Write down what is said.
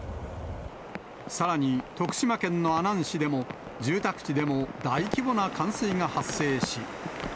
さらに、徳島県の阿南市でも、住宅地でも大規模な冠水が発生し。